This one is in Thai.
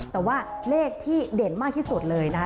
แต่ว่าเลขที่เด่นมากที่สุดเลยนะคะ